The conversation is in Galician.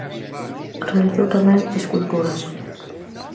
Realizou tamén esculturas.